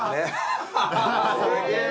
・すげえ！